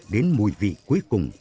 đến mùi vị cuối cùng